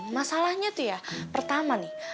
masalahnya tuh ya pertama nih